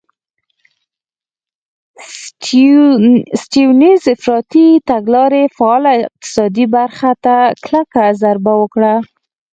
د سټیونز افراطي تګلارې فعاله اقتصادي برخه ته کلکه ضربه ورکړه.